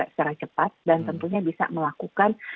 secara cepat dan tentunya bisa melakukan